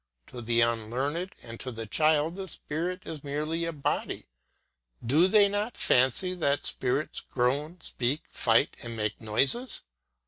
To the unlearned and to the child a spirit is merely a body. Do they not fancy that spirits groan, speak, fight, and make noises?